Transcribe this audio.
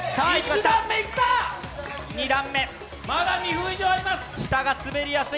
まだ２分以上あります。